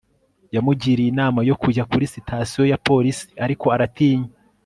Yamugiriye inama yo kujya kuri sitasiyo ya polisi ariko aratinya